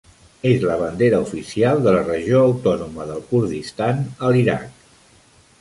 És la bandera oficial de la Regió autònoma del Kurdistan a l'Iraq.